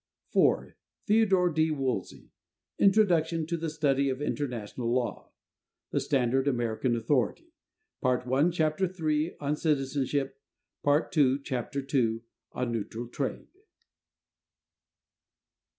(4) Theodore D. Woolsey, "Introduction to the Study of International Law" (the standard American authority); Part I, chapter iii, on "Citizenship"; Part II, chapter ii, on "Neutral Trade."